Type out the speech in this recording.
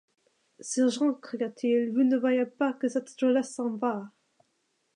Sergent! cria-t-il, vous ne voyez pas que cette drôlesse s’en va !